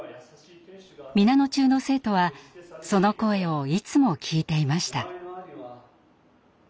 皆野中の生徒はその声をいつも聞いていました。